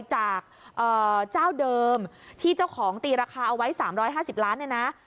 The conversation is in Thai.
จากเจ้าเดิมที่เจ้าของตีราคาเอาไว้๓๕๐ล้านเนี่ยนะ